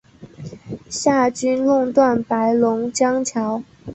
夏军弄断白龙江桥。